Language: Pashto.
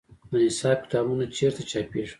د نصاب کتابونه چیرته چاپیږي؟